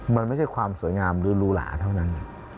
มันไม่ใช่ความสวยงามหรือรูหลาเท่านั้น